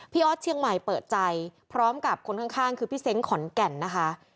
ออสเชียงใหม่เปิดใจพร้อมกับคนข้างคือพี่เซ้งขอนแก่นนะคะ